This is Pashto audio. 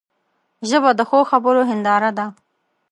ژبه د ښو خبرو هنداره ده